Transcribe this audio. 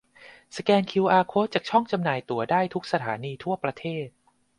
สแกนคิวอาร์โค้ดจากช่องจำหน่ายตั๋วได้ทุกสถานีทั่วประเทศ